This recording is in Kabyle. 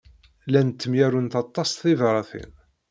Llant ttemyarunt aṭas tibṛatin.